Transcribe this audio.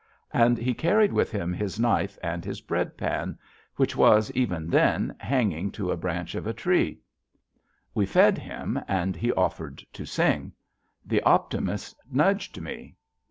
And he carried with him his knife and his bread pan, which was, even then, hanging to a branch of a tree. We fed him, and he offered to sing. The Optimist nudged me.